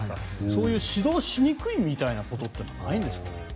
そういう指導しにくいみたいなことってないんですか？